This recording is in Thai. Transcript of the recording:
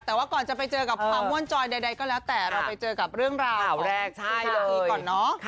แต่ว่าก่อนจะไปเจอกับความม่วนจอยใดก็แล้วแต่เราไปเจอกับเรื่องราวแรกใช่ละทีก่อนเนาะ